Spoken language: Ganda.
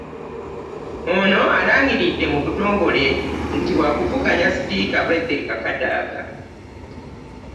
Ono alangiridde mu butongole nti wa kuvuganya Sipiika Rebecca Kadaga